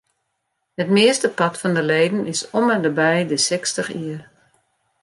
It meastepart fan de leden is om ende by de sechstich jier.